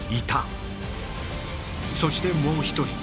そしてもう一人。